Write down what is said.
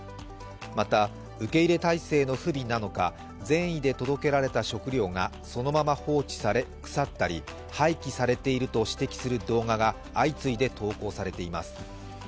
また、受け入れ体制の不備なのか善意で届けられた食料がそのまま放置され腐ったり、廃棄されていると指摘する動画が相次いで投稿されています。